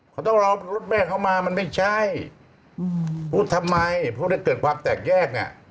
เขาต้องเอารถแม่เขามามันไม่ใช่พูดทำไมพูดถ้าเกิดความแตกแยกอ่ะ